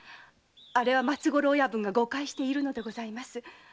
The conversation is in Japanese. あれは松五郎親分が誤解しているのでございます。